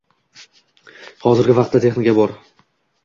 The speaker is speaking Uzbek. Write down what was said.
Hozirgi vaqtda texnika bor.